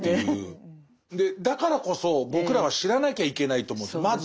だからこそ僕らは知らなきゃいけないと思うんですまず。